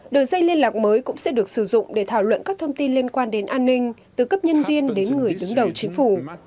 đường dây liên lạc mới cũng sẽ được sử dụng để thảo luận các thông tin liên quan đến an ninh từ cấp nhân viên đến người đứng đầu chính phủ